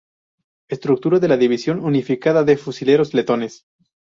Estructura de la División Unificada de Fusileros Letones.